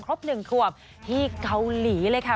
๑ขวบที่เกาหลีเลยค่ะ